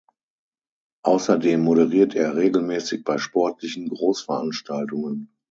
Außerdem moderiert er regelmäßig bei sportlichen Großveranstaltungen.